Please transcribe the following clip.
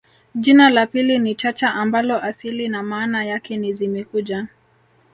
jina la pili ni Chacha ambalo asili na maana yake ni zimekuja